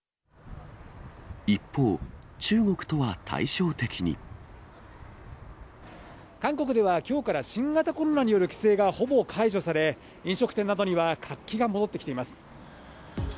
一方、韓国では、きょうから新型コロナによる規制がほぼ解除され、飲食店などには、活気が戻ってきています。